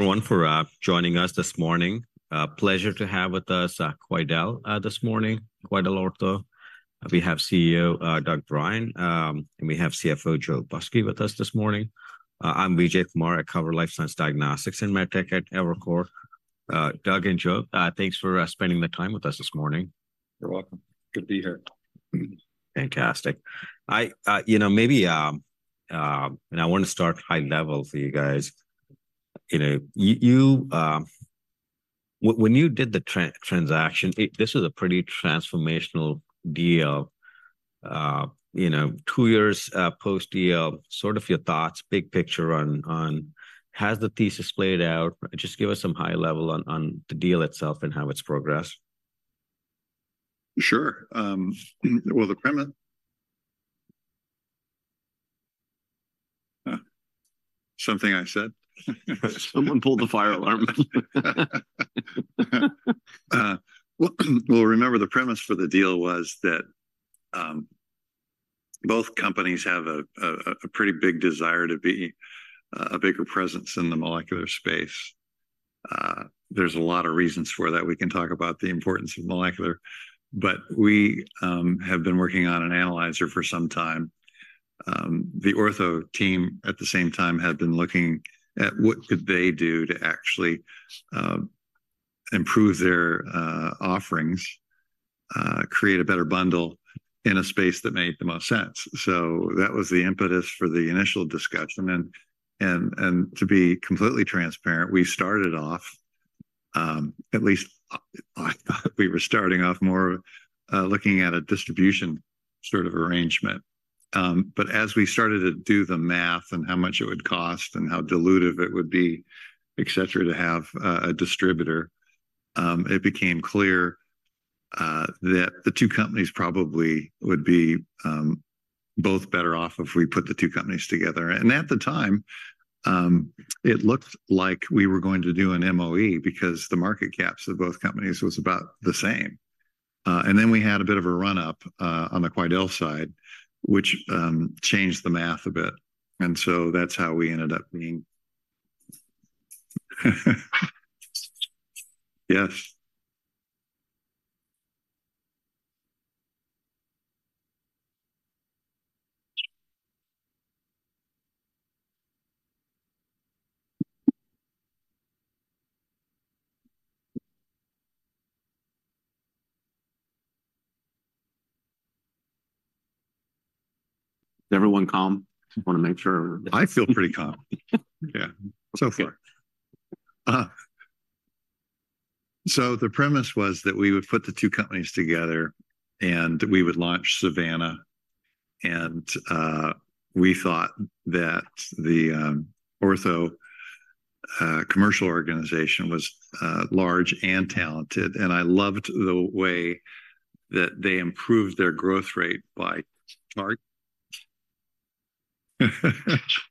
Everyone for joining us this morning. Pleasure to have with us QuidelOrtho this morning. We have CEO Doug Bryant and we have CFO Joe Busky with us this morning. I'm Vijay Kumar. I cover life science diagnostics and med tech at Evercore. Doug and Joe, thanks for spending the time with us this morning. You're welcome. Good to be here. Fantastic. I, you know, maybe, and I want to start high level for you guys. You know, you, when you did the transaction, it, this was a pretty transformational deal. You know, two years, post-deal, sort of your thoughts, big picture on, on has the thesis played out? Just give us some high level on, the deal itself and how it's progressed. Sure. Well, the premise... Something I said? Someone pulled the fire alarm. Well, remember, the premise for the deal was that both companies have a pretty big desire to be a bigger presence in the molecular space. There's a lot of reasons for that. We can talk about the importance of molecular, but we have been working on an analyzer for some time. The Ortho team, at the same time, had been looking at what could they do to actually improve their offerings, create a better bundle in a space that made the most sense. So that was the impetus for the initial discussion. To be completely transparent, we started off, at least I thought we were starting off more, looking at a distribution sort of arrangement. But as we started to do the math and how much it would cost and how dilutive it would be, et cetera, to have a distributor, it became clear that the two companies probably would be both better off if we put the two companies together. And at the time, it looked like we were going to do an MOE because the market caps of both companies was about the same. And then we had a bit of a run-up on the Quidel side, which changed the math a bit, and so that's how we ended up being... Yes. Everyone calm? I wanna make sure. I feel pretty calm. Yeah, so far. So the premise was that we would put the two companies together, and we would launch Savanna. And we thought that the Ortho commercial organization was large and talented, and I loved the way that they improved their growth rate by large.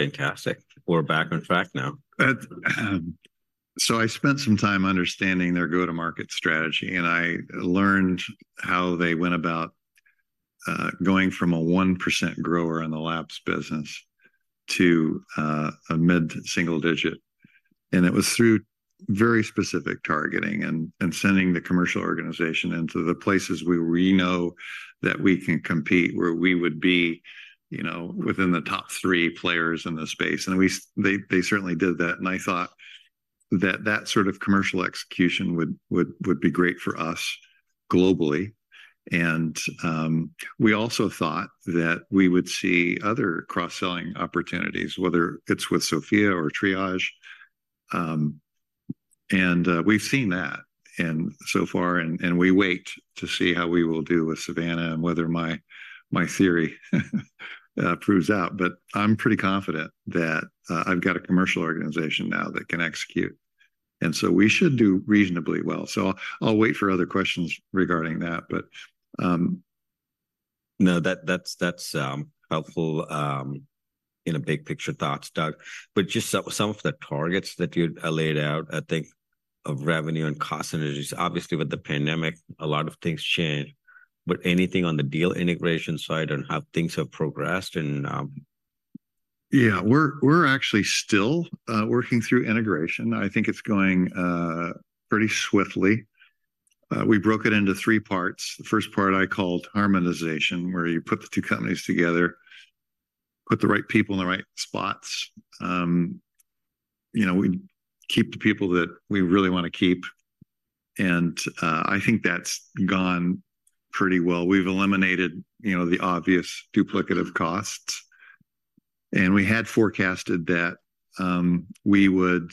Fantastic. We're back on track now. So I spent some time understanding their go-to-market strategy, and I learned how they went about going from a 1% grower in the labs business to a mid-single digit. And it was through very specific targeting and sending the commercial organization into the places where we know that we can compete, where we would be, you know, within the top three players in the space. And they certainly did that, and I thought that that sort of commercial execution would be great for us globally. And we also thought that we would see other cross-selling opportunities, whether it's with Sofia or Triage. And we've seen that so far, and we wait to see how we will do with Savanna and whether my theory proves out. But I'm pretty confident that, I've got a commercial organization now that can execute, and so we should do reasonably well. So I'll wait for other questions regarding that, but, No, that's helpful in big picture thoughts, Doug. But just some of the targets that you laid out, I think of revenue and cost synergies. Obviously, with the pandemic, a lot of things changed, but anything on the deal integration side and how things have progressed and... Yeah, we're actually still working through integration. I think it's going pretty swiftly. We broke it into three parts. The first part I called harmonization, where you put the two companies together, put the right people in the right spots. You know, we keep the people that we really wanna keep, and I think that's gone pretty well. We've eliminated, you know, the obvious duplicative costs, and we had forecasted that we would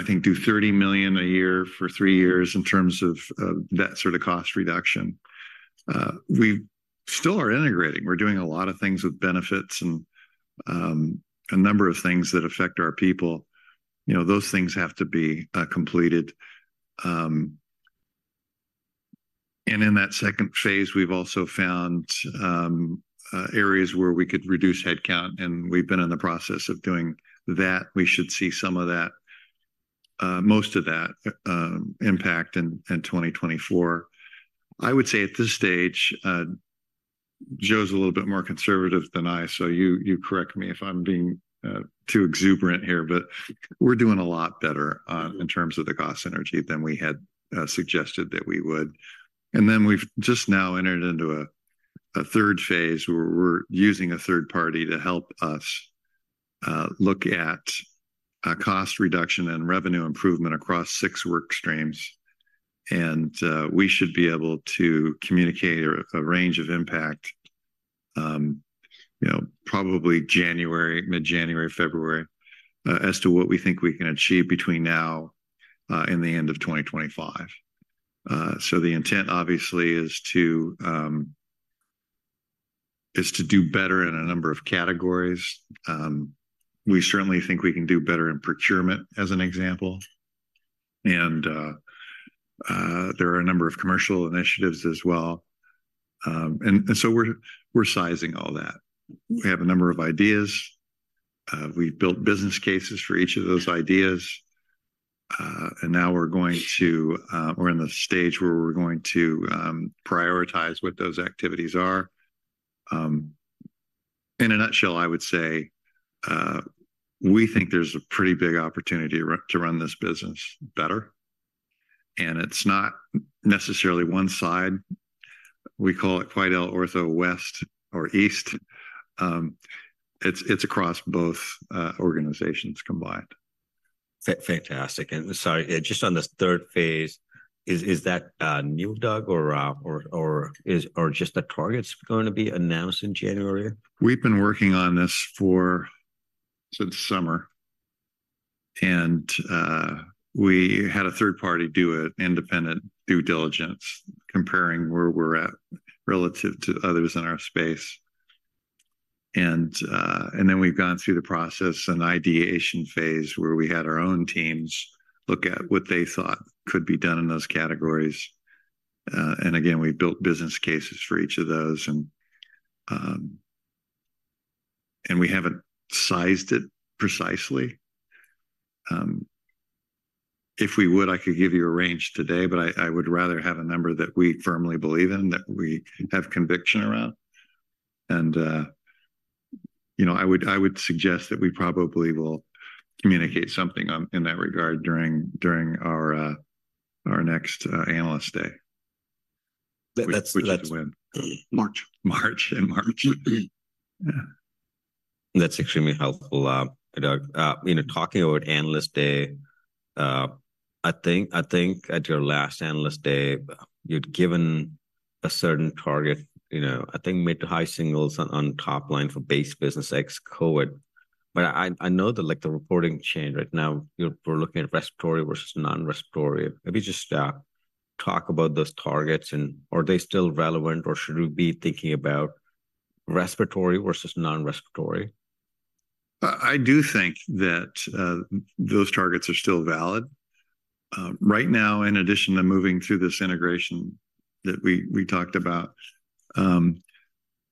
I think do $30 million a year for three years in terms of that sort of cost reduction. We still are integrating. We're doing a lot of things with benefits and a number of things that affect our people. You know, those things have to be completed. In that second phase, we've also found areas where we could reduce headcount, and we've been in the process of doing that. We should see some of that, most of that, impact in 2024. I would say at this stage, Joe's a little bit more conservative than I, so you correct me if I'm being too exuberant here. But we're doing a lot better in terms of the cost synergy than we had suggested that we would. And then we've just now entered into a third phase, where we're using a third party to help us look at cost reduction and revenue improvement across six work streams. And we should be able to communicate a range of impact, you know, probably January, mid-January, February, as to what we think we can achieve between now and the end of 2025. So the intent, obviously, is to do better in a number of categories. We certainly think we can do better in procurement, as an example, and there are a number of commercial initiatives as well. And so we're sizing all that. We have a number of ideas. We've built business cases for each of those ideas. And now we're in the stage where we're going to prioritize what those activities are. In a nutshell, I would say we think there's a pretty big opportunity to run this business better, and it's not necessarily one side. We call it QuidelOrtho West or East. It's across both organizations combined. Fantastic. And sorry, just on this third phase, is that new, Doug, or are just the targets going to be announced in January? We've been working on this since summer, and we had a third party do an independent due diligence, comparing where we're at relative to others in our space. Then we've gone through the process, an ideation phase, where we had our own teams look at what they thought could be done in those categories. Again, we built business cases for each of those, and we haven't sized it precisely. If we would, I could give you a range today, but I would rather have a number that we firmly believe in, that we have conviction around. You know, I would suggest that we probably will communicate something in that regard during our next Analyst Day. That's, that's- Which is when? March. March. In March. Yeah. That's extremely helpful, Doug. You know, talking about Analyst Day, I think, I think at your last Analyst Day, you'd given a certain target, you know, I think mid to high singles on, on top line for base business ex-COVID. But I, I know that, like, the reporting chain right now, you're- we're looking at respiratory versus non-respiratory. Maybe just, talk about those targets, and are they still relevant, or should we be thinking about respiratory versus non-respiratory? I do think that those targets are still valid. Right now, in addition to moving through this integration that we talked about,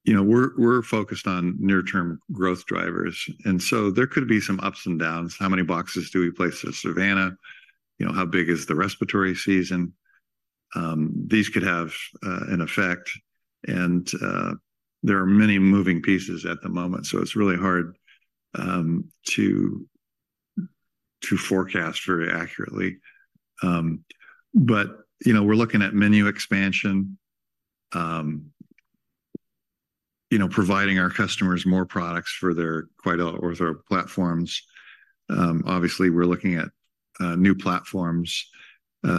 you know, we're focused on near-term growth drivers. And so there could be some ups and downs. How many boxes do we place at Savanna? You know, how big is the respiratory season? These could have an effect, and there are many moving pieces at the moment, so it's really hard to forecast very accurately. But, you know, we're looking at menu expansion, you know, providing our customers more products for their QuidelOrtho platforms. Obviously, we're looking at new platforms,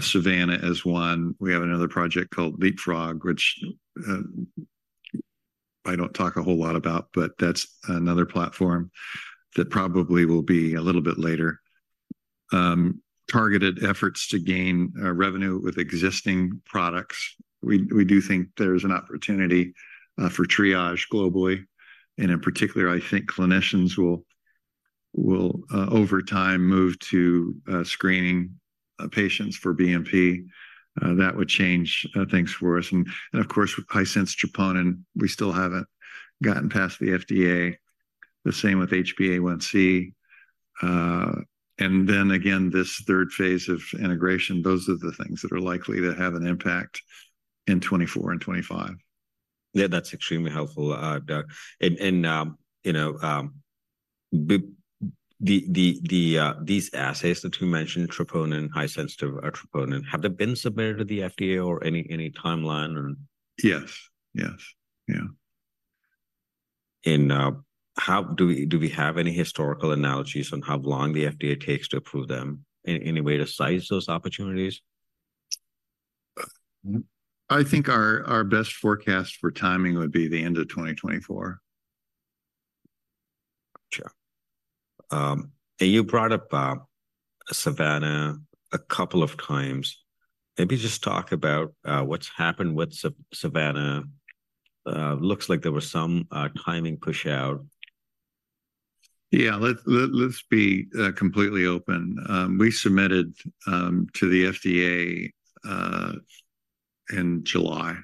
Savanna is one. We have another project called Leapfrog, which I don't talk a whole lot about, but that's another platform that probably will be a little bit later. Targeted efforts to gain revenue with existing products. We do think there's an opportunity for Triage globally, and in particular, I think clinicians will over time move to screening patients for BNP. That would change things for us. And of course, with high-sensitivity troponin, we still haven't gotten past the FDA. The same with HbA1c. And then again, this third phase of integration, those are the things that are likely to have an impact in 2024 and 2025. Yeah, that's extremely helpful, Doug. And you know, these assays that you mentioned, troponin, high-sensitivity troponin, have they been submitted to the FDA or any timeline or? Yes. Yes. Yeah. How do we have any historical analogies on how long the FDA takes to approve them? Any way to size those opportunities?... I think our best forecast for timing would be the end of 2024. Gotcha. You brought up Savanna a couple of times. Maybe just talk about what's happened with Savanna. Looks like there was some timing push out. Yeah, let's be completely open. We submitted to the FDA in July,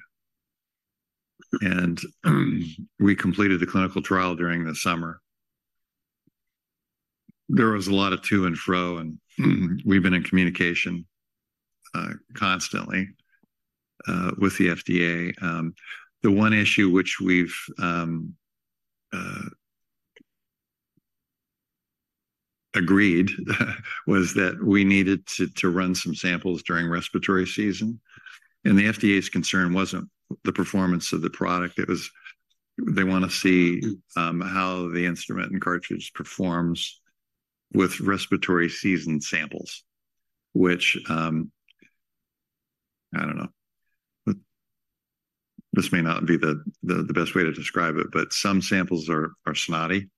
and we completed the clinical trial during the summer. There was a lot of to and fro, and we've been in communication constantly with the FDA. The one issue which we've agreed was that we needed to run some samples during respiratory season. And the FDA's concern wasn't the performance of the product, it was they wanna see how the instrument and cartridge performs with respiratory season samples, which I don't know. But this may not be the best way to describe it, but some samples are snotty-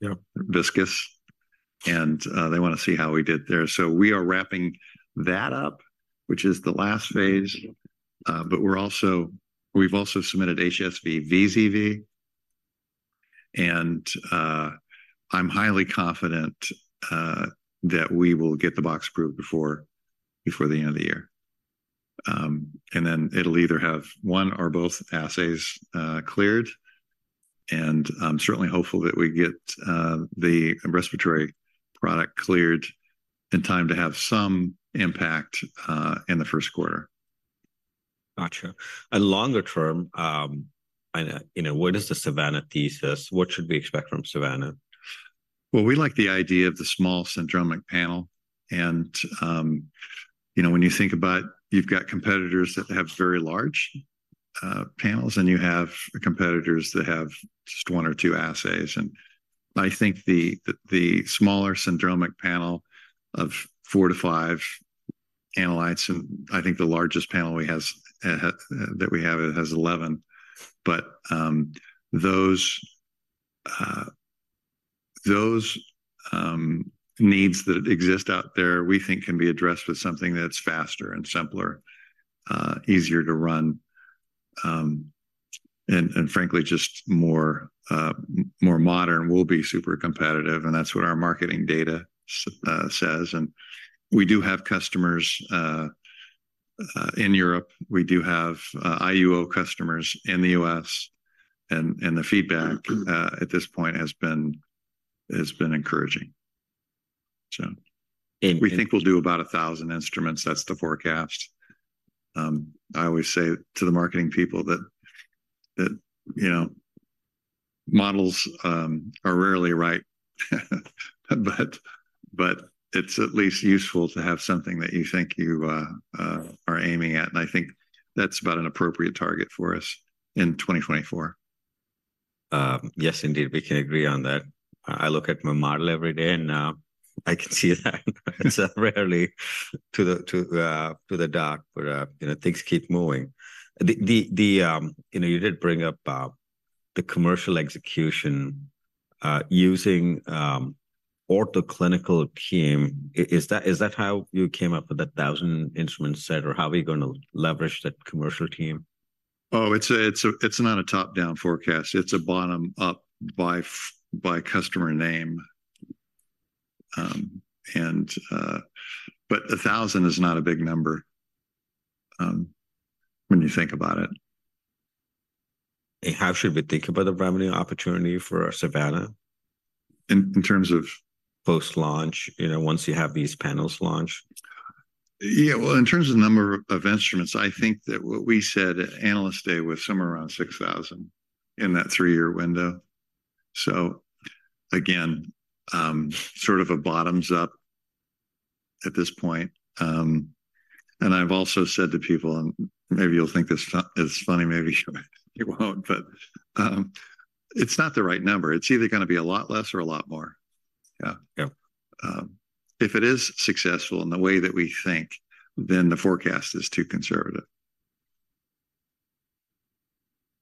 Yeah... viscous, and they wanna see how we did there. So we are wrapping that up, which is the last phase. But we've also submitted HSV/VZV, and I'm highly confident that we will get the box approved before the end of the year. And then it'll either have one or both assays cleared, and I'm certainly hopeful that we get the respiratory product cleared in time to have some impact in the first quarter. Gotcha. Longer term, I know, you know, what is the Savanna thesis? What should we expect from Savanna? Well, we like the idea of the small syndromic panel. You know, when you think about, you've got competitors that have very large panels, and you have competitors that have just one or two assays. I think the smaller syndromic panel of four-five analytes, and I think the largest panel we have, that we have, it has 11. But those needs that exist out there, we think can be addressed with something that's faster and simpler, easier to run, and frankly, just more modern, will be super competitive, and that's what our marketing data says. We do have customers in Europe. We do have IUO customers in the U.S., and the feedback at this point has been encouraging. So we think we'll do about 1,000 instruments. That's the forecast. I always say to the marketing people that you know models are rarely right, but it's at least useful to have something that you think you are aiming at, and I think that's about an appropriate target for us in 2024. Yes, indeed. We can agree on that. I look at my model every day, and I can see that it's rarely to the dock, but you know, things keep moving. You know, you did bring up the commercial execution using Ortho Clinical Team. Is that how you came up with a 1,000 instrument set, or how are we gonna leverage that commercial team? Oh, it's not a top-down forecast. It's a bottom-up by customer name. But 1,000 is not a big number when you think about it. And how should we think about the revenue opportunity for Savanna? In terms of? Post-launch, you know, once you have these panels launched. Yeah. Well, in terms of number of instruments, I think that what we said at Analyst Day was somewhere around 6,000 in that three-year window. So again, sort of a bottoms up at this point. And I've also said to people, and maybe you'll think this fu- it's funny, maybe you won't, but, it's not the right number. It's either gonna be a lot less or a lot more. Yeah. Yeah. If it is successful in the way that we think, then the forecast is too conservative.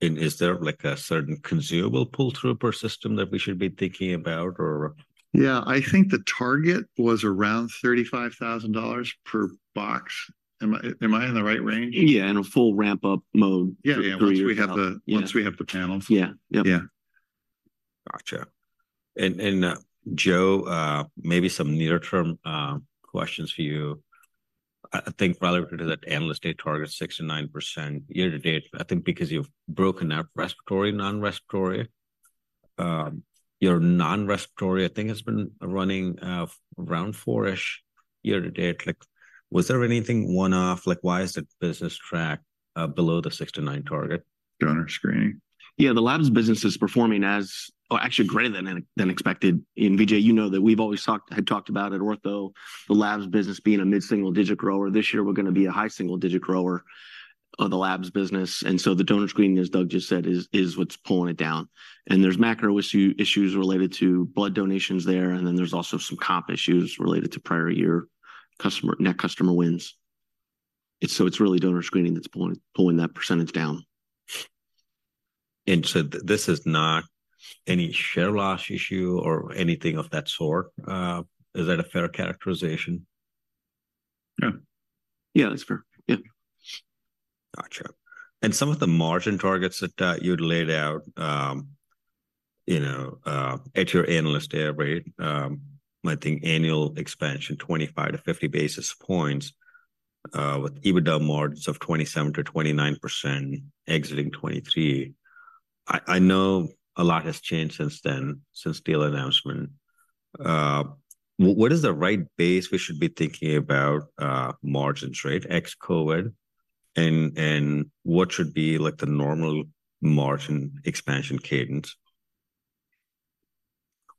Is there, like, a certain consumable pull-through per system that we should be thinking about or...? Yeah, I think the target was around $35,000 per box. Am I, am I in the right range? Yeah, in a full ramp-up mode. Yeah, yeah. Three years- Once we have the- Yeah. Once we have the panels. Yeah. Yep. Yeah. Gotcha. And, Joe, maybe some near-term questions for you. I think rather than that Analyst Day target, 6%-9% year-to-date, I think because you've broken up respiratory, non-respiratory. Your non-respiratory, I think, has been running around four-ish year-to-date. Like, was there anything one-off? Like, why is the business track below the 6%-9% target? Donor screening. Yeah, the Labs business is performing as... or actually greater than expected. And Vijay, you know that we've always had talked about at Ortho, the Labs business being a mid-single-digit grower. This year, we're gonna be a high-single-digit grower of the Labs business. And so the Donor Screening, as Doug just said, is what's pulling it down. And there's macro issues related to blood donations there, and then there's also some comp issues related to prior year customer net customer wins. It's so it's really Donor Screening that's pulling that percentage down.... And so this is not any share loss issue or anything of that sort? Is that a fair characterization? Yeah. Yeah, that's fair. Yeah. Gotcha. Some of the margin targets that you'd laid out, you know, at your analyst day, right? I think annual expansion, 25-50 basis points, with EBITDA margins of 27%-29% exiting 2023. I know a lot has changed since then, since the announcement. What is the right base we should be thinking about, margin trade, ex-COVID, and what should be, like, the normal margin expansion cadence?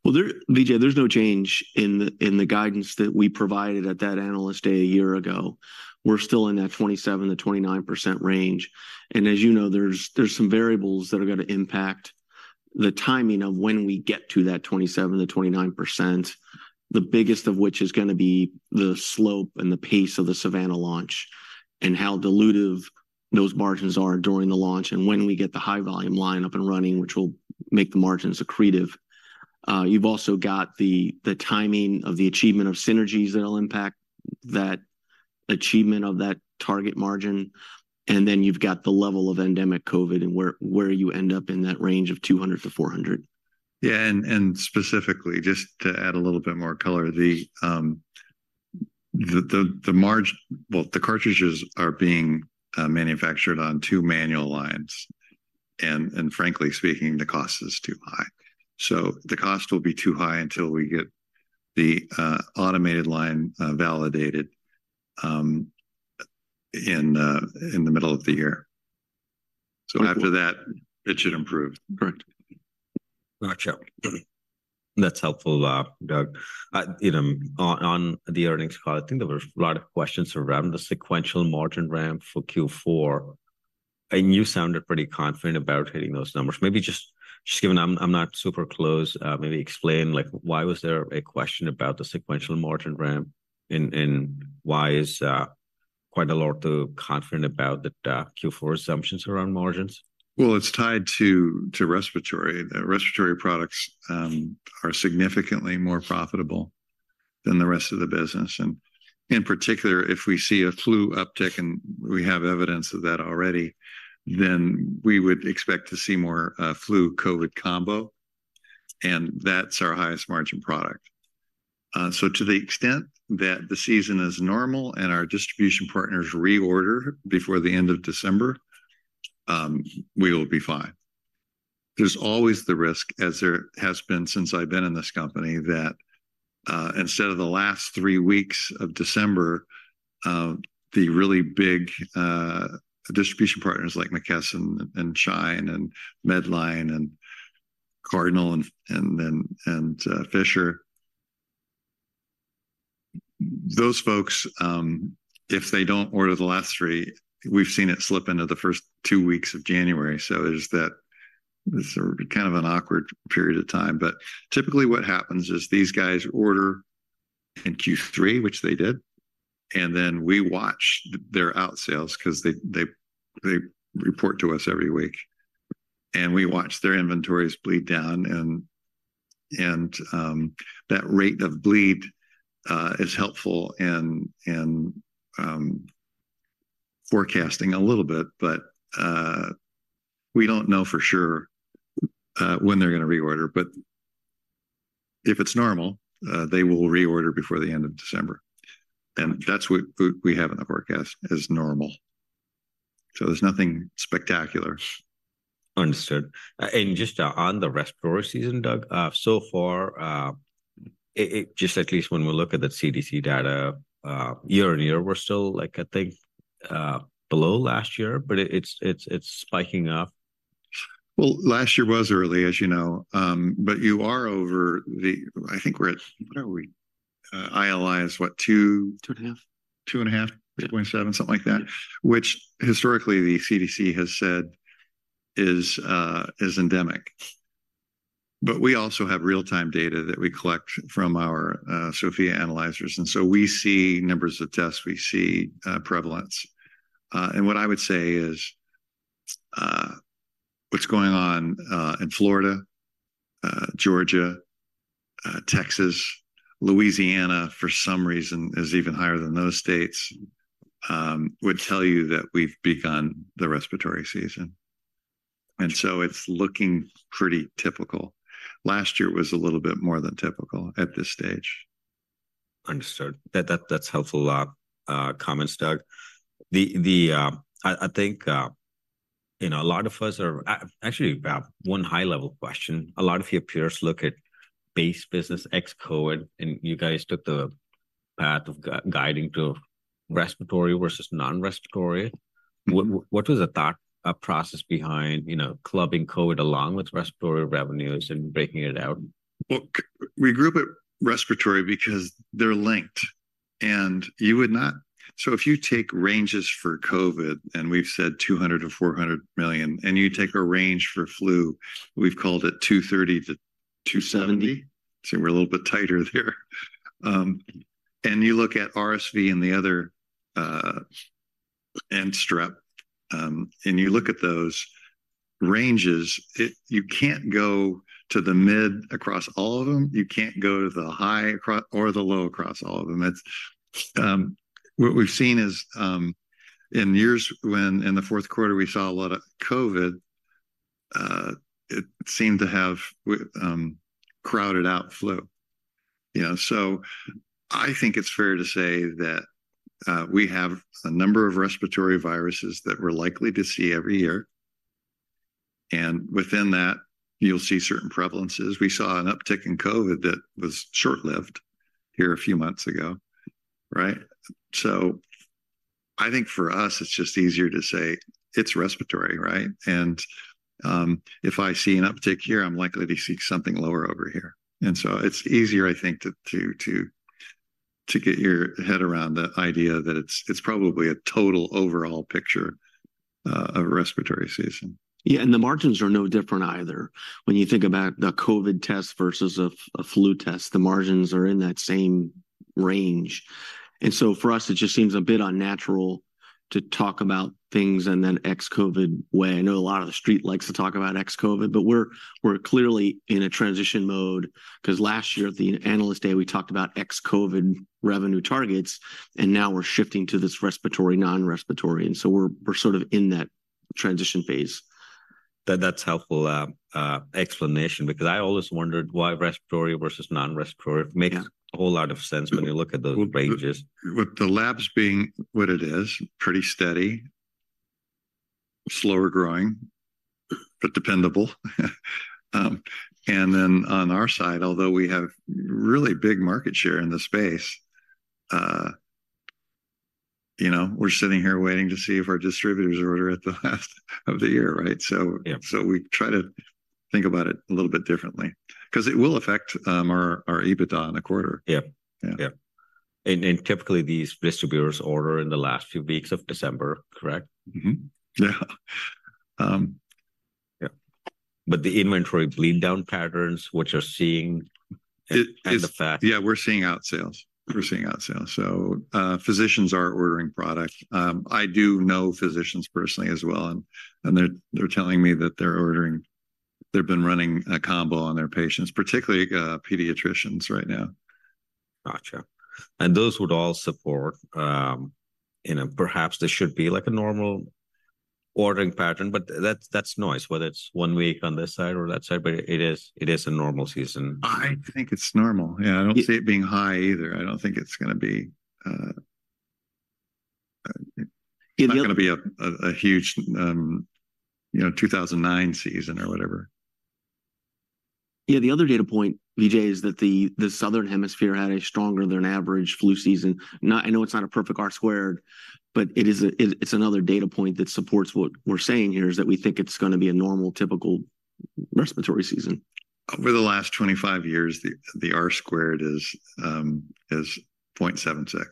Well, Vijay, there's no change in the guidance that we provided at that Analyst Day a year ago. We're still in that 27%-29% range, and as you know, there's some variables that are gonna impact the timing of when we get to that 27%-29%. The biggest of which is gonna be the slope and the pace of the Savanna launch, and how dilutive those margins are during the launch, and when we get the high volume line up and running, which will make the margins accretive. You've also got the timing of the achievement of synergies that'll impact that achievement of that target margin, and then you've got the level of endemic COVID and where you end up in that range of 200-400. Yeah, and specifically, just to add a little bit more color, the margin. Well, the cartridges are being manufactured on two manual lines, and frankly speaking, the cost is too high. So the cost will be too high until we get the automated line validated in the middle of the year. Okay. After that, it should improve. Correct. Gotcha. That's helpful, Doug. You know, on the earnings call, I think there were a lot of questions around the sequential margin ramp for Q4, and you sounded pretty confident about hitting those numbers. Maybe just given I'm not super close, maybe explain, like, why was there a question about the sequential margin ramp, and why is QuidelOrtho confident about the Q4 assumptions around margins? Well, it's tied to respiratory. Respiratory products are significantly more profitable than the rest of the business, and in particular, if we see a flu uptick, and we have evidence of that already, then we would expect to see more flu/COVID combo, and that's our highest margin product. So to the extent that the season is normal and our distribution partners reorder before the end of December, we will be fine. There's always the risk, as there has been since I've been in this company, that instead of the last three weeks of December, the really big distribution partners like McKesson and Henry Schein and Medline and Cardinal and then Fisher. Those folks, if they don't order the last three, we've seen it slip into the first two weeks of January, so it is that, this kind of an awkward period of time. But typically, what happens is these guys order in Q3, which they did, and then we watch their out sales 'cause they report to us every week. And we watch their inventories bleed down, that rate of bleed is helpful in forecasting a little bit, but we don't know for sure when they're gonna reorder. But if it's normal, they will reorder before the end of December, and that's what we have in the forecast, is normal. So there's nothing spectacular. Understood. And just on the respiratory season, Doug, so far, it just at least when we look at the CDC data, year on year, we're still, like, I think, below last year, but it's spiking up. Well, last year was early, as you know, but you are over the... I think we're at, what are we? ILI is what, 2- 2.5. 2.5? Yeah. 27, something like that. Yes. Which historically, the CDC has said is endemic. But we also have real-time data that we collect from our Sofia analyzers, and so we see numbers of tests, we see prevalence. And what I would say is what's going on in Florida, Georgia, Texas, Louisiana, for some reason, is even higher than those states would tell you that we've begun the respiratory season. And so it's looking pretty typical. Last year was a little bit more than typical at this stage. Understood. That, that's helpful comments, Doug. I think, you know, a lot of us are actually one high-level question. A lot of your peers look at base business ex-COVID, and you guys took the path of guiding to respiratory versus non-respiratory. What was the thought process behind, you know, clubbing COVID along with respiratory revenues and breaking it out? Look, we group it respiratory because they're linked, and you would not. So if you take ranges for COVID, and we've said $200 million-$400 million, and you take a range for flu, we've called it $230 million-$270 million. So we're a little bit tighter there. And you look at RSV and the other, and strep, and you look at those ranges, you can't go to the mid across all of them. You can't go to the high across or the low across all of them. It's what we've seen is, in years when in the fourth quarter we saw a lot of COVID, it seemed to have crowded out flu, you know? So I think it's fair to say that we have a number of respiratory viruses that we're likely to see every year, and within that, you'll see certain prevalences. We saw an uptick in COVID that was short-lived here a few months ago, right? So I think for us, it's just easier to say it's respiratory, right? And if I see an uptick here, I'm likely to see something lower over here. And so it's easier, I think, to get your head around the idea that it's probably a total overall picture of respiratory season. Yeah, and the margins are no different either. When you think about a COVID test versus a, a flu test, the margins are in that same range. And so for us, it just seems a bit unnatural to talk about things in an ex-COVID way. I know a lot of the street likes to talk about ex-COVID, but we're, we're clearly in a transition mode, 'cause last year at the analyst day, we talked about ex-COVID revenue targets, and now we're shifting to this respiratory, non-respiratory, and so we're, we're sort of in that transition phase. That, that's helpful explanation, because I always wondered why respiratory versus non-respiratory. Yeah. It makes a whole lot of sense when you look at the ranges. With the labs being what it is, pretty steady, slower growing, but dependable. And then on our side, although we have really big market share in the space, you know, we're sitting here waiting to see if our distributors order at the last of the year, right? Yeah. So we try to think about it a little bit differently, 'cause it will affect our EBITDA in a quarter. Yeah. Yeah. Yeah. And typically, these distributors order in the last few weeks of December, correct? Mm-hmm. Yeah. Yeah. The inventory bleed down patterns, what you're seeing is a fact? Yeah, we're seeing our sales. We're seeing our sales. So, physicians are ordering product. I do know physicians personally as well, and they're telling me that they're ordering. They've been running a combo on their patients, particularly pediatricians right now. Gotcha. And those would all support, you know, perhaps this should be like a normal ordering pattern, but that's, that's nice, whether it's one week on this side or that side, but it is, it is a normal season. I think it's normal. Yeah. Yeah. I don't see it being high either. I don't think it's gonna be, The other-... It's not gonna be a huge, you know, 2009 season or whatever. Yeah, the other data point, Vijay, is that the Southern Hemisphere had a stronger than average flu season. Not, I know it's not a perfect R squared, but it is, it's another data point that supports what we're saying here, is that we think it's gonna be a normal, typical respiratory season. Over the last 25 years, the R squared is 0.76.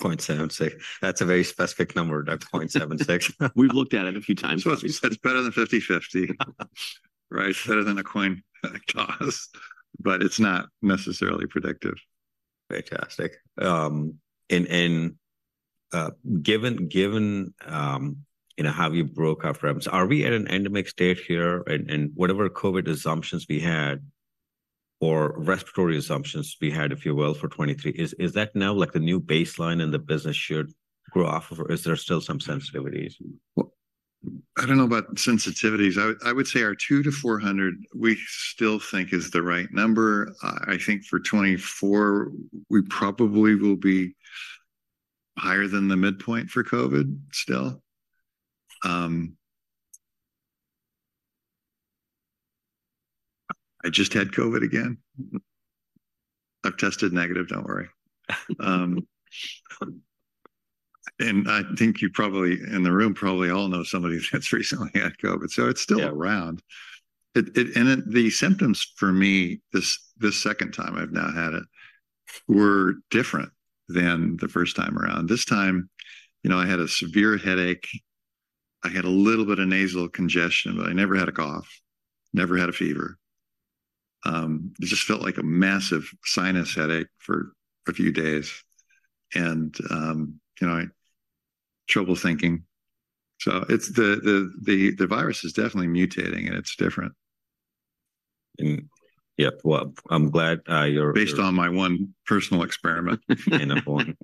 0.76. That's a very specific number, that 0.76. We've looked at it a few times. It's better than 50/50... right? Better than a coin toss, but it's not necessarily predictive. Fantastic. And given, you know, how you broke up revs, are we at an endemic state here? And whatever COVID assumptions we had or respiratory assumptions we had, if you will, for 2023, is that now like the new baseline and the business should grow off, or is there still some sensitivities? Well, I don't know about sensitivities. I would say our 200-400, we still think is the right number. I think for 2024, we probably will be higher than the midpoint for COVID still. I just had COVID again. I've tested negative, don't worry. And I think you probably, in the room, probably all know somebody who's recently had COVID, so it's still around. Yeah. The symptoms for me this second time I've now had it were different than the first time around. This time, you know, I had a severe headache, I had a little bit of nasal congestion, but I never had a cough, never had a fever. It just felt like a massive sinus headache for a few days and, you know, trouble thinking. So it's the virus is definitely mutating, and it's different. Yeah, well, I'm glad you're- Based on my one personal experiment. N of one.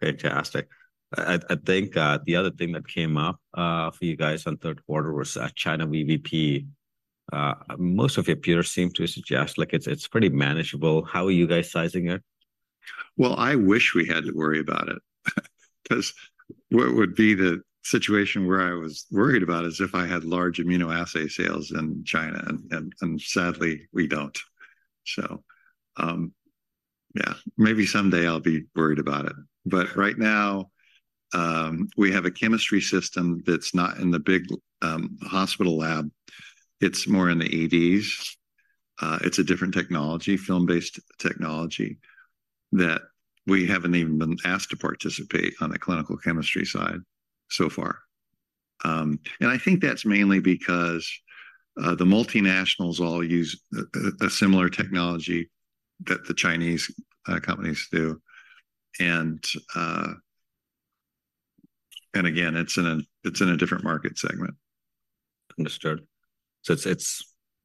Fantastic. I, I think, the other thing that came up, for you guys on third quarter was, China VBP. Most of your peers seem to suggest, like, it's, it's pretty manageable. How are you guys sizing it? Well, I wish we had to worry about it. Because what would be the situation where I was worried about is, if I had large immunoassay sales in China, and sadly, we don't. So, yeah, maybe someday I'll be worried about it. But right now, we have a chemistry system that's not in the big hospital lab. It's more in the EDs. It's a different technology, film-based technology, that we haven't even been asked to participate on the clinical chemistry side so far. And I think that's mainly because the multinationals all use a similar technology that the Chinese companies do. And again, it's in a different market segment. Understood. So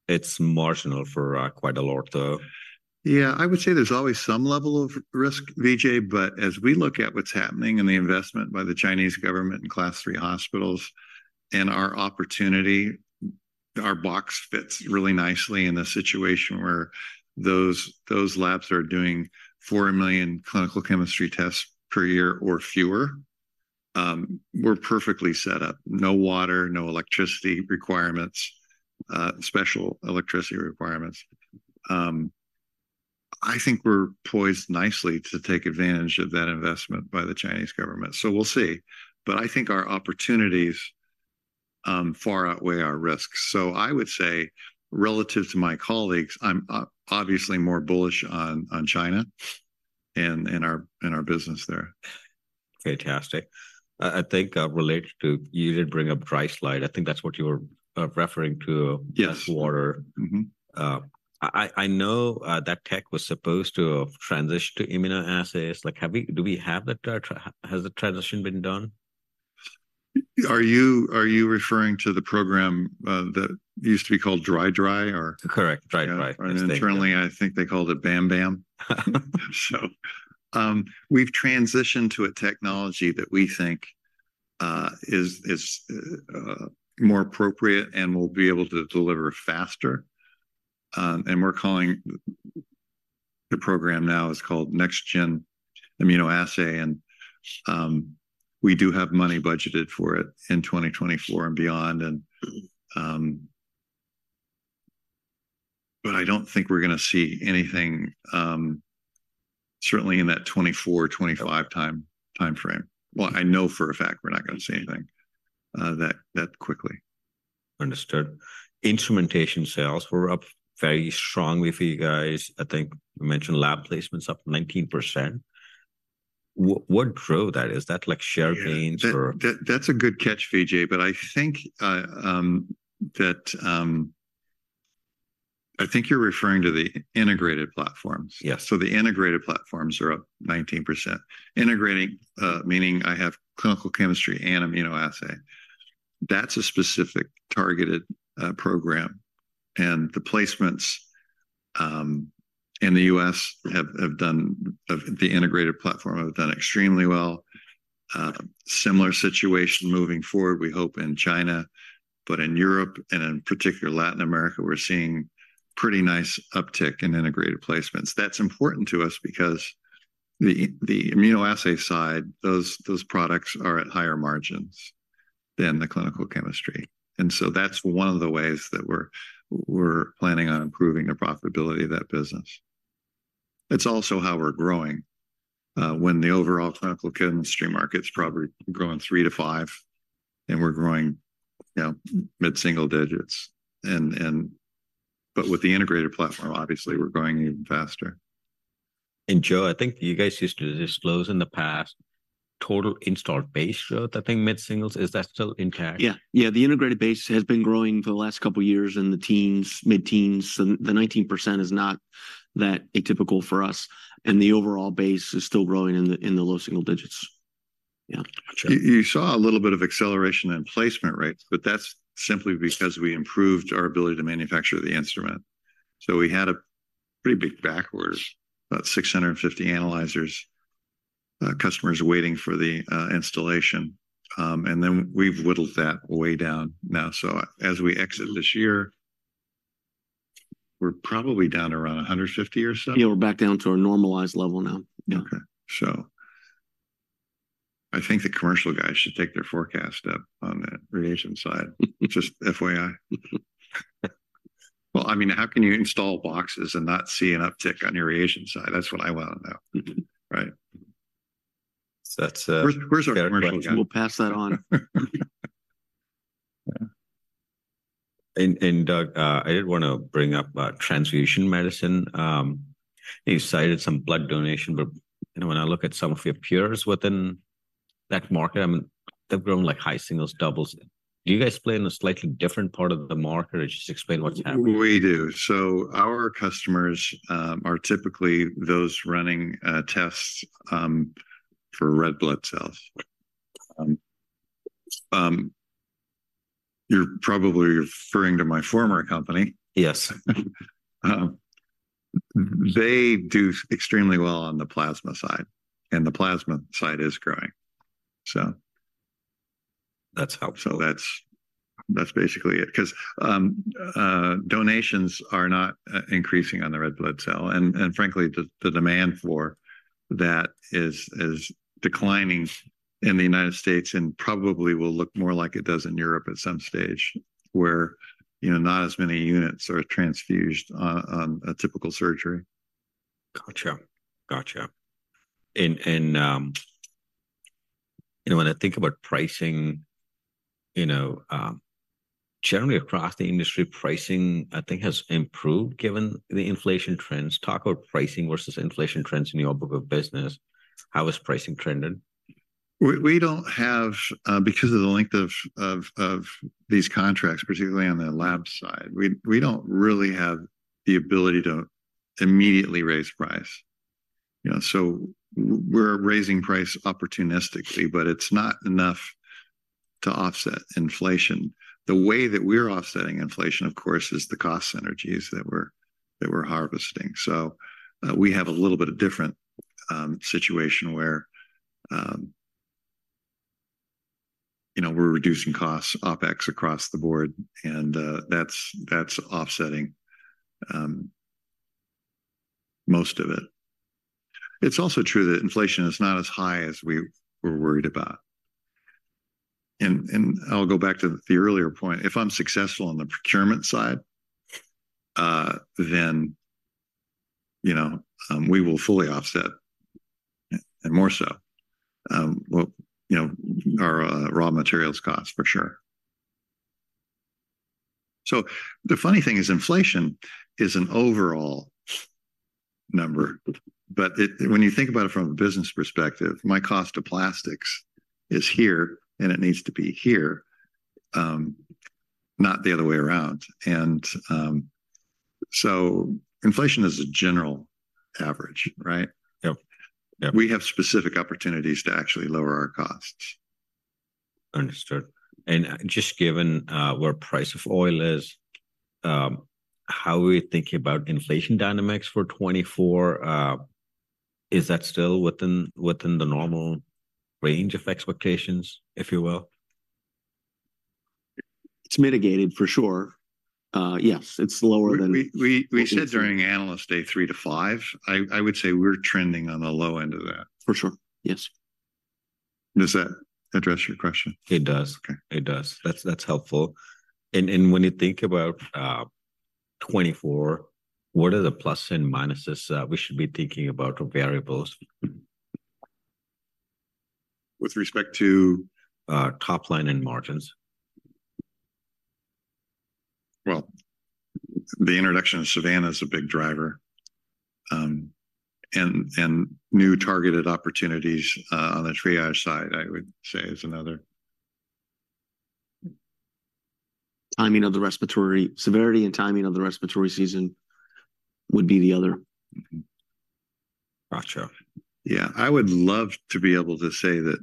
it's marginal for quite a lot, though? Yeah, I would say there's always some level of risk, Vijay. But as we look at what's happening and the investment by the Chinese government in Class III hospitals and our opportunity, our box fits really nicely in a situation where those labs are doing four million clinical chemistry tests per year or fewer. We're perfectly set up: no water, no electricity requirements, special electricity requirements. I think we're poised nicely to take advantage of that investment by the Chinese government, so we'll see. But I think our opportunities far outweigh our risks. So I would say, relative to my colleagues, I'm obviously more bullish on China and our business there. Fantastic. I think, related to-- you did bring up Dry Slide. I think that's what you were referring to- Yes -water. Mm-hmm. I know that tech was supposed to transition to immunoassays. Like, do we have that transition? Has the transition been done? Are you, are you referring to the program, that used to be called Dry Dry or? Correct, Dry Dry. Internally, I think they called it Bam Bam. So, we've transitioned to a technology that we think is more appropriate and will be able to deliver faster. And we're calling... The program now is called Next-Gen Immunoassay, and we do have money budgeted for it in 2024 and beyond, and... But I don't think we're going to see anything, certainly in that 2024-2025 timeframe. Well, I know for a fact we're not going to see anything that quickly. Understood. Instrumentation sales were up very strongly for you guys. I think you mentioned lab placements up 19%. What drove that? Is that like share gains or- Yeah. That's a good catch, Vijay, but I think you're referring to the integrated platforms. Yes. So the integrated platforms are up 19%. Integrating, meaning I have clinical chemistry and immunoassay. That's a specific targeted program, and the placements in the U.S. have, have done, the integrated platform have done extremely well. Similar situation moving forward, we hope in China, but in Europe and in particular, Latin America, we're seeing pretty nice uptick in integrated placements. That's important to us because the immunoassay side, those products are at higher margins than the clinical chemistry. And so that's one of the ways that we're planning on improving the profitability of that business. It's also how we're growing when the overall clinical chemistry market's probably growing 3%-5%, and we're growing, you know, mid-single digits. And—but with the integrated platform, obviously, we're growing even faster. Joe, I think you guys used to disclose in the past total installed base. So I think mid-singles, is that still intact? Yeah. Yeah, the integrated base has been growing for the last couple of years in the teens, mid-teens. So the 19% is not that atypical for us, and the overall base is still growing in the low single digits. Yeah. Gotcha. You saw a little bit of acceleration in placement rates, but that's simply because we improved our ability to manufacture the instrument. So we had a pretty big backlog, about 650 analyzers, customers waiting for the installation. And then we've whittled that way down now. So as we exit this year, we're probably down around 150 or so. Yeah, we're back down to our normalized level now. Yeah. Okay. So I think the commercial guys should take their forecast up on the reagent side. Just FYI. Well, I mean, how can you install boxes and not see an uptick on your reagent side? That's what I want to know, right? So that's, Where, where's our commercials? We'll pass that on. Doug, I did want to bring up transfusion medicine. You cited some blood donation, but, you know, when I look at some of your peers within that market, I mean, they've grown like high singles, doubles. Do you guys play in a slightly different part of the market, or just explain what's happening? We do. So our customers are typically those running tests for red blood cells. You're probably referring to my former company. Yes. They do extremely well on the plasma side, and the plasma side is growing. So- That's helpful. So that's basically it. Because donations are not increasing on the red blood cell, and frankly, the demand for that is declining in the United States and probably will look more like it does in Europe at some stage, where you know, not as many units are transfused on a typical surgery. Gotcha. Gotcha. You know, when I think about pricing, you know, generally across the industry, pricing, I think, has improved given the inflation trends. Talk about pricing versus inflation trends in your book of business. How is pricing trending? We don't have, because of the length of these contracts, particularly on the lab side, we don't really have the ability to immediately raise price, you know. So we're raising price opportunistically, but it's not enough to offset inflation. The way that we're offsetting inflation, of course, is the cost synergies that we're harvesting. So we have a little bit of different situation where, you know, we're reducing costs, OpEx across the board, and that's offsetting most of it. It's also true that inflation is not as high as we were worried about. And I'll go back to the earlier point, if I'm successful on the procurement side, then, you know, we will fully offset, and more so, well, you know, our raw materials cost, for sure. The funny thing is, inflation is an overall number, but it, when you think about it from a business perspective, my cost of plastics is here, and it needs to be here, not the other way around. So inflation is a general average, right? Yep. Yep. We have specific opportunities to actually lower our costs. Understood. And just given where price of oil is, how are we thinking about inflation dynamics for 2024? Is that still within, within the normal range of expectations, if you will? It's mitigated, for sure. Yes, it's lower than- We said during Analyst Day three-five. I would say we're trending on the low end of that. For sure, yes. Does that address your question? It does. Okay. It does. That's, that's helpful. And, and when you think about 2024, what are the plus and minuses that we should be thinking about, or variables? With respect to? Top line and margins. Well, the introduction of Savanna is a big driver, and new targeted opportunities on the Triage side, I would say is another. Severity and timing of the respiratory season would be the other. Mm-hmm. Gotcha. Yeah, I would love to be able to say that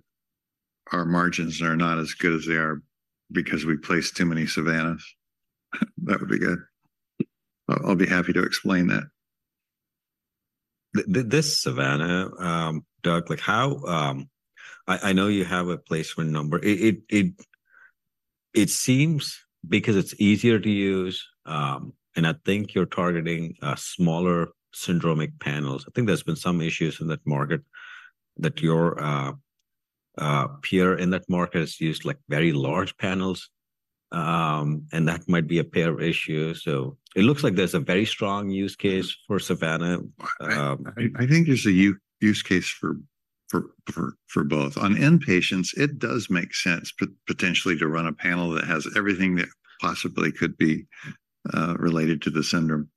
our margins are not as good as they are because we placed too many Savannas. That would be good. I, I'll be happy to explain that. This Savanna, Doug, like how... I know you have a placement number. It seems because it's easier to use, and I think you're targeting smaller syndromic panels. I think there's been some issues in that market that your peer in that market has used, like, very large panels, and that might be a pair of issues. So it looks like there's a very strong use case for Savanna. I think there's a use case for both. On inpatients, it does make sense potentially to run a panel that has everything that possibly could be related to the syndrome.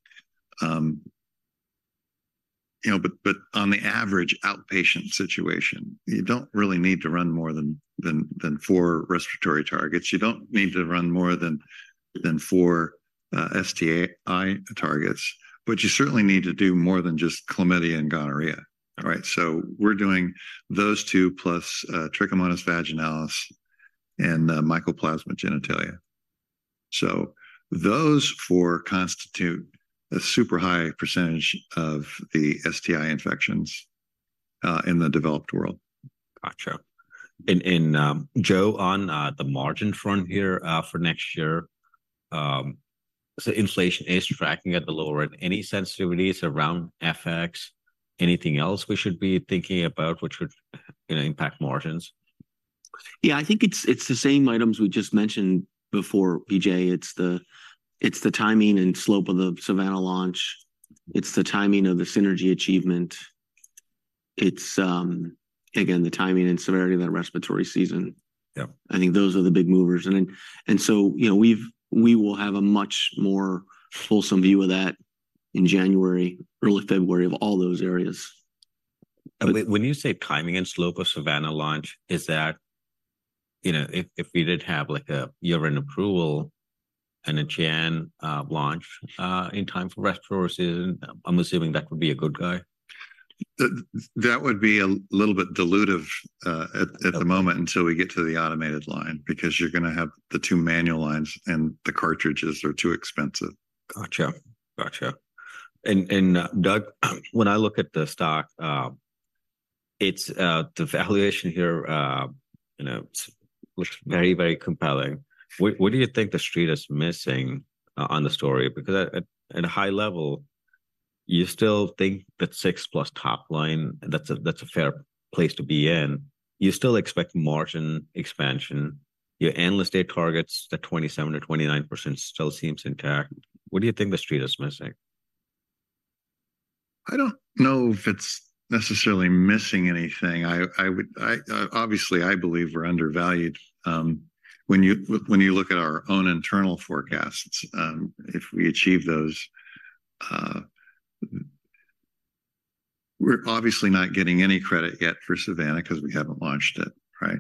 You know, but on the average outpatient situation, you don't really need to run more than four respiratory targets. You don't need to run more than four STI targets, but you certainly need to do more than just chlamydia and gonorrhea. All right? So we're doing those two, plus Trichomonas vaginalis and Mycoplasma genitalium. So those four constitute a super high percentage of the STI infections in the developed world. Gotcha. And, Joe, on the margin front here, for next year, so inflation is tracking at the lower end. Any sensitivities around FX? Anything else we should be thinking about, which would, you know, impact margins? Yeah, I think it's the same items we just mentioned before, Vijay. It's the timing and slope of the Savanna launch. It's the timing of the synergy achievement. It's again the timing and severity of that respiratory season. Yep. I think those are the big movers. You know, we will have a much more fulsome view of that in January, early February, of all those areas. When you say timing and slope of Savanna launch, is that, you know, if, if we did have, like, a year in approval and a Jan launch, in time for respiratory season, I'm assuming that would be a good guy? That would be a little bit dilutive at the moment until we get to the automated line, because you're gonna have the two manual lines, and the cartridges are too expensive. Gotcha. Gotcha. And, Doug, when I look at the stock, it's the valuation here, you know, looks very, very compelling. What do you think the Street is missing on the story? Because at a high level, you still think that 6+ top line, that's a fair place to be in. You still expect margin expansion. Your Analyst Day targets, the 27%-29% still seems intact. What do you think the Street is missing?... I don't know if it's necessarily missing anything. I would obviously believe we're undervalued. When you look at our own internal forecasts, if we achieve those, we're obviously not getting any credit yet for Savanna because we haven't launched it, right?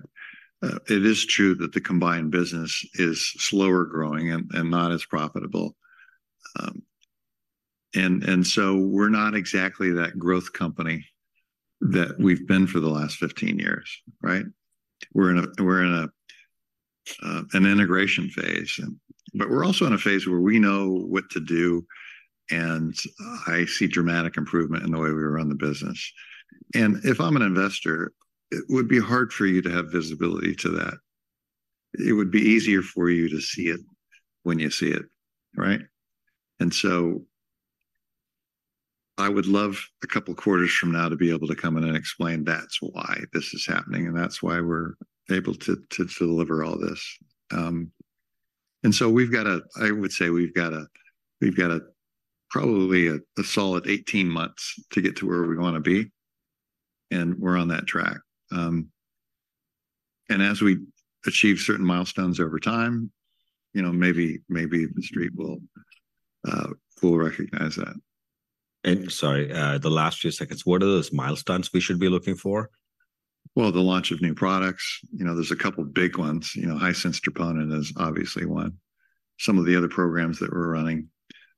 It is true that the combined business is slower growing and not as profitable. So we're not exactly that growth company that we've been for the last 15 years, right? We're in an integration phase, and... But we're also in a phase where we know what to do, and I see dramatic improvement in the way we run the business. If I'm an investor, it would be hard for you to have visibility to that. It would be easier for you to see it when you see it, right? And so I would love, a couple of quarters from now, to be able to come in and explain that's why this is happening, and that's why we're able to deliver all this. So we've got a—I would say we've got probably a solid 18 months to get to where we wanna be, and we're on that track. And as we achieve certain milestones over time, you know, maybe the street will recognize that. Sorry, the last few seconds, what are those milestones we should be looking for? Well, the launch of new products. You know, there's a couple of big ones. You know, high-sensitivity troponin is obviously one. Some of the other programs that we're running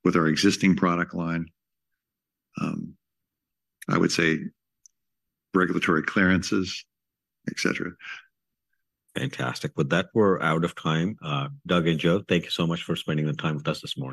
with our existing product line, I would say regulatory clearances, et cetera. Fantastic. With that, we're out of time. Doug and Joe, thank you so much for spending the time with us this morning.